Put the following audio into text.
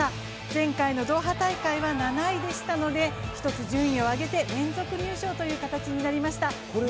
前回のドーハ大会は７位でしたので１つ、順位を上げて連続入賞ということになりました。